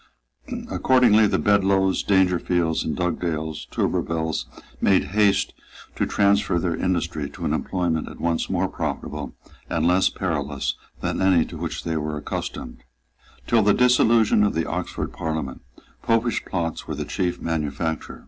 Accordingly the Bedloes, Dangerfields, Dugdales, Turberviles, made haste to transfer their industry to an employment at once more profitable and less perilous than any to which they were accustomed. Till the dissolution of the Oxford Parliament Popish plots were the chief manufacture.